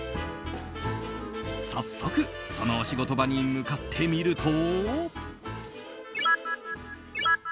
早速、そのお仕事場に向かってみると。